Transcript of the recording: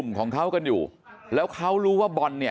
มันต้องการมาหาเรื่องมันจะมาแทงนะ